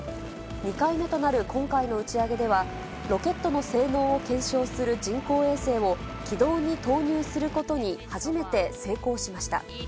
２回目となる今回の打ち上げでは、ロケットの性能を検証する人工衛星を軌道に投入することに初めて成功しました。